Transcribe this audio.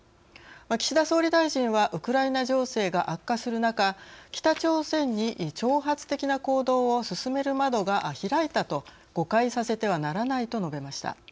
岸田総理大臣は「ウクライナ情勢が悪化する中北朝鮮に挑発的な行動を進める窓が開いたと誤解させてはならない」と述べました。